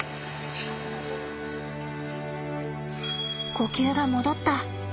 呼吸が戻った。